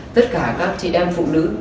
tất cả các chị em phụ nữ